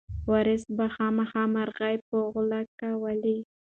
وارث به خامخا مرغۍ په غولکه ولي.